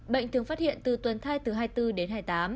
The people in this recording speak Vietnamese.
bệnh thường phát hiện từ tuần thai từ hai mươi bốn đến hai mươi tám